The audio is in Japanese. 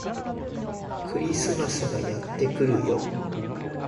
クリスマスがやってくるよ